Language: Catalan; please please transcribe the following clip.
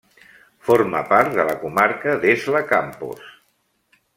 Forma part de la comarca d'Esla-Campos.